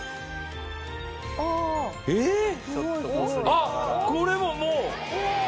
あっこれももう！